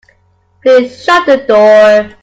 Please shut the door.